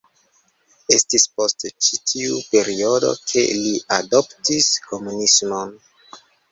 Estis post ĉi tiu periodo ke li adoptis komunismon.